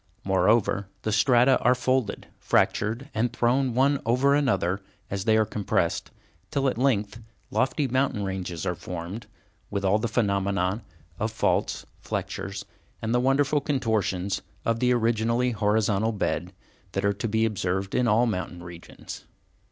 Moreover, the strata are folded, fractured, and thrown one over another as they are compressed, till at length lofty mountain ranges are formed, with all the phenomena of faults, flexures, and the wonderful contortions of the originally horizontal beds, that are to be observed in all mountain regions.